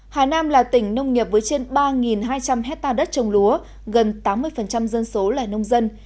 hà nam là tỉnh nông nghiệp với trên ba hai trăm linh hectare đất trồng lúa gần tám mươi dân số là nông dân